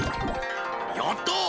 やった！